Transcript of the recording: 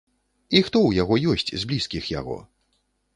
І хто ў яго ёсць з блізкіх яго?